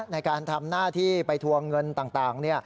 ในการทำหน้าที่ไปทวงเงินต่าง